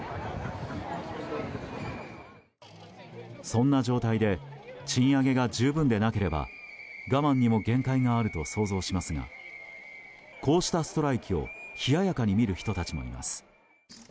そんな状態で賃上げが十分でなければ我慢にも限界があると想像しますがこうしたストライキを冷ややかに見る人たちもいます。